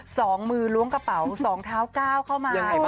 สองมือล้วงกระเป๋าสองเท้าก้าวเข้ามา